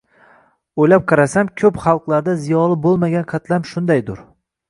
O‘ylab qarasam ko‘p xalqlarda ziyoli bo‘lmagan qatlam shundaydur.